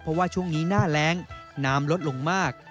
เพราะว่าช่วงนี้หน้าแรงน้ำลดลงมาก